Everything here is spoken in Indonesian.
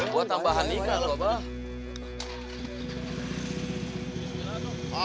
buat tambahan nikah pak